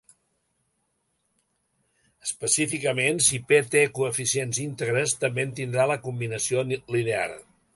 Específicament, si "P" té coeficients íntegres, també en tindrà la combinació linear.